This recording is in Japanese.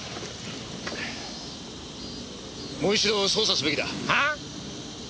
もう一度捜査すべきだ。はあ！？